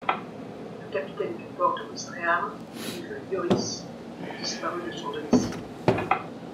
Le capitaine du port de Ouistreham, Yves Joris, a disparu de son domicile.